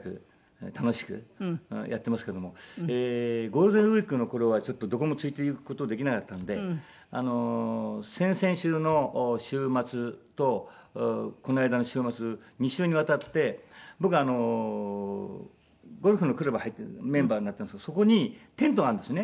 ゴールデンウィークの頃はちょっとどこも連れていく事できなかったので先々週の週末とこの間の週末２週にわたって僕ゴルフのクラブ入ってるメンバーになったんですけどそこにテントがあるんですね。